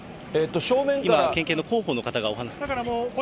今、県警の広報の方のお話。